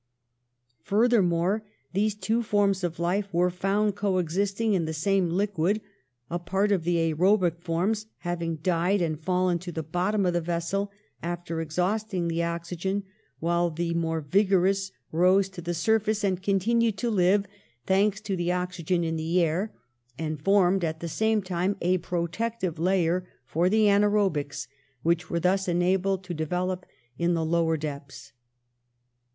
Furthermore, these two forms of life were found coexisting in the same liquid, a part of the aerobic forms having died and fallen to the bottom of the vessel after exhausting the oxygen, while the more vigorous rose to the 56 PASTEUR surface and continued to live, thanks to the oxygen in the air, and formed at the same time a protective layer for the anaerobics, which were thus enabled to develop in the lower depths.